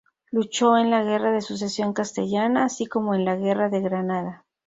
Luchó en la Guerra de Sucesión Castellana así como en la Guerra de Granada.